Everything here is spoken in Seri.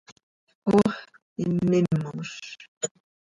Ox ihmmimoz.